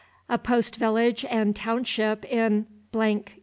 A post village and township in Co.